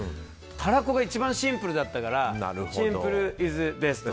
たらこが一番シンプルだったからシンプルイズベスト。